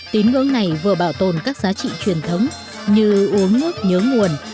tín ngưỡng này vừa bảo tồn các giá trị truyền thống như uống nước nhớ nguồn